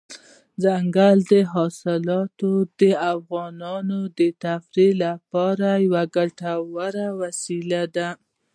دځنګل حاصلات د افغانانو د تفریح لپاره یوه ګټوره وسیله ده.